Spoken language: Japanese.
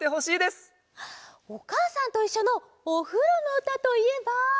「おかあさんといっしょ」のおふろのうたといえば。